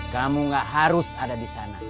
kamu gak harus ada di sana